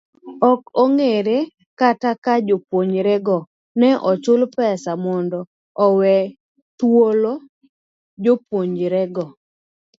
Ok ongere kata ka jopunjorego ne ochul pesa mondo owe thuolo jopuonjrego.